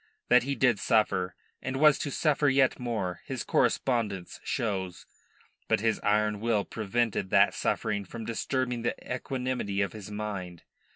That he did suffer, and was to suffer yet more, his correspondence shows. But his iron will prevented that suffering from disturbing the equanimity of his mind.